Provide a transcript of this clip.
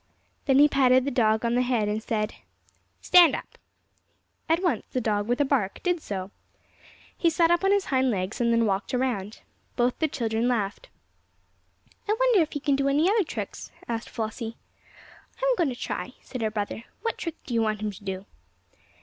Then he patted the dog an the head and said: "Stand up!" At once the dog, with a bark, did so. He sat up on his hind legs and then walked around. Both the children laughed. "I wonder if he can do any other tricks?" asked Flossie. "I'm going to try," said her brother. "What trick do you want him to do?"